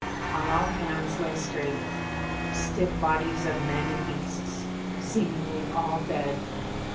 On all hands lay straight, stiff bodies of men and beasts, seemingly all dead.